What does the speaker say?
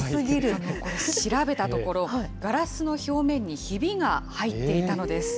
調べたところ、ガラスの表面にひびが入っていたのです。